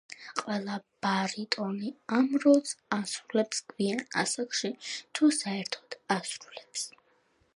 ყველა ბარიტონი ამ როლს ასრულებს გვიან ასაკში, თუ საერთოდ ასრულებს.